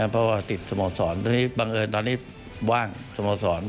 เพราะว่าติดสมสรรค์บังเอิญตอนนี้ว่างสมสรรค์